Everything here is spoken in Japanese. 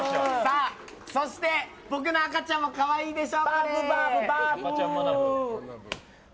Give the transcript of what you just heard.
そして、僕の赤ちゃんも可愛いでしょ。